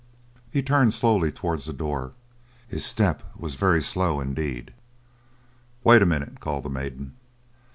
He turned slowly towards the door. His step was very slow indeed. "Wait a minute," called the maiden.